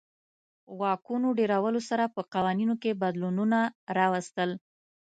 واکونو ډېرولو سره په قوانینو کې بدلونونه راوستل.